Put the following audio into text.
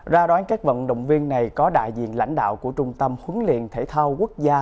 ra đoán các vận động viên này có đại diện lãnh đạo của trung tâm huấn luyện thể thao quốc gia